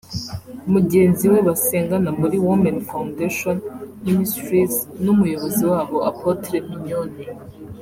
mugenzi we basengana muri Women Foundation ministries n'umuyobozi wabo Apotre Mignone